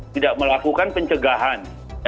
tidak melakukan pencegahan